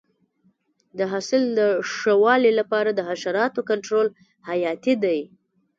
د حاصل د ښه والي لپاره د حشراتو کنټرول حیاتي دی.